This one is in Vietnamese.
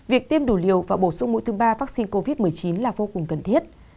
việc tiêm đủ liều và bổ sung mũi thứ ba vaccine covid một mươi chín là vô cùng cần thiết